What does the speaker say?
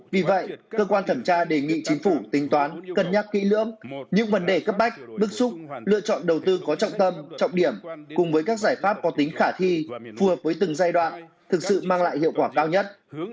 vì vậy cơ quan thẩm tra đề nghị chính phủ tính toán cân nhắc kỹ lưỡng những vấn đề cấp bách bức xúc lựa chọn đầu tư có trọng tâm trọng điểm cùng với các giải pháp có tính khả thi phù hợp với từng giai đoạn thực sự mang lại hiệu quả cao nhất